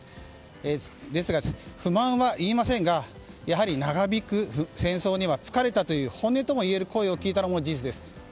ですが、不満は言いませんがやはり長引く戦争には疲れたという本音ともいえる声を聞いたのも事実です。